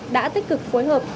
đã tích cực phối hợp